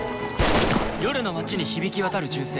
「夜の街に響き渡る銃声。